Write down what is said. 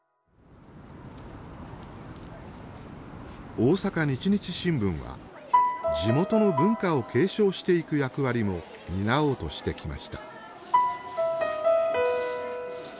大阪日日新聞は地元の文化を継承していく役割も担おうとしてきました。